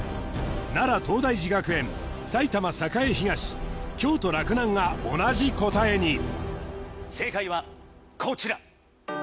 奈良・東大寺学園埼玉・栄東京都・洛南が同じ答えに正解はこちら！